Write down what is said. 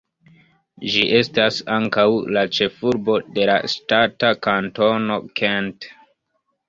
Ĝi estas ankaŭ la ĉefurbo de la ŝtata Kantono Kent.